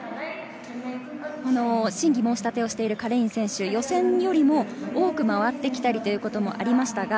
審議申し立てをしているカレイン選手、予選よりも多く回ってきたりということもありました。